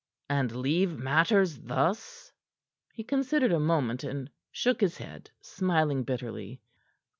"And leave matters thus?" He considered a moment, and shook his head, smiling bitterly.